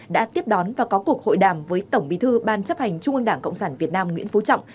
đã tiếp đón và có cuộc hội đàm với tổng bí thư ban chấp hành trung ương đảng cộng sản việt nam nguyễn phú trọng